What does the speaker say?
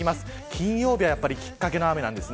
金曜日がきっかけの雨です。